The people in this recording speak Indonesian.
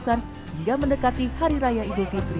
dilakukan hingga mendekati hari raya idul fitri